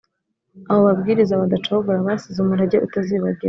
Abo babwiriza badacogora basize umurage utazibagirana.